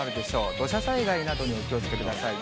土砂災害などにお気をつけください。